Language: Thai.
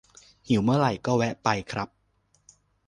หิวเมื่อไหร่ก็แวะไปครับ